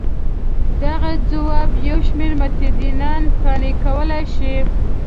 دغه ځواب یو شمېر متدینان قانع کولای شي.